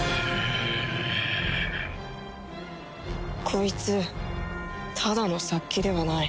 こいつただの殺気ではない